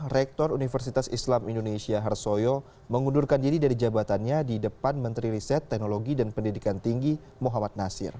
rektor universitas islam indonesia harsoyo mengundurkan diri dari jabatannya di depan menteri riset teknologi dan pendidikan tinggi muhammad nasir